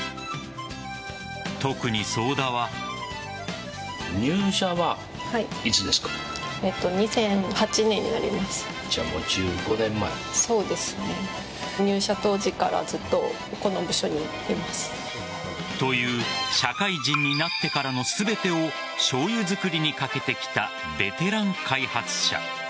特に早田は。という社会人になってからの全てをしょうゆ造りにかけてきたベテラン開発者。